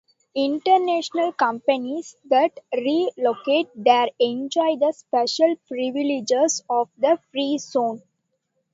International companies that relocate there enjoy the special privileges of the free zone.